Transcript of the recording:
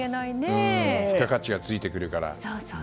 付加価値がついてくるから。